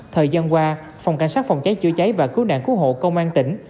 thời gian qua phòng cảnh sát phòng cháy chữa cháy và cứu nạn cứu hộ công an tỉnh